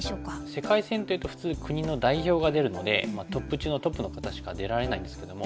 世界戦というと普通国の代表が出るのでトップ中のトップの方しか出られないんですけども。